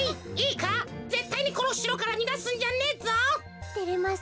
いいかぜったいにこのしろからにがすんじゃねえぞ。